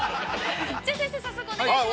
◆じゃあ先生、早速お願いします。